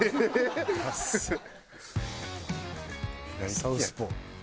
サウスポー。